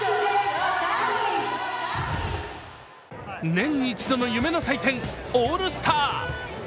年に一度の夢の祭典、オールスター。